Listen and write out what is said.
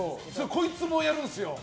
こいつもやるんですよ。